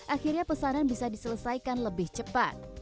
akhirnya pesanan bisa diselesaikan lebih cepat